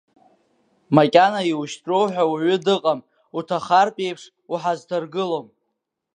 Макьана иушьҭроу ҳәа уаҩы дыҟаӡам, уҭахартә еиԥш уҳазҭаргылом.